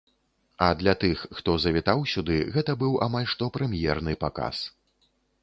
А для тых, хто завітаў сюды, гэта быў амаль што прэм'ерны паказ.